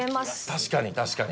「確かに確かに」